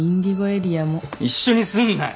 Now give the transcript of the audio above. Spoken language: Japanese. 一緒にすんなよ。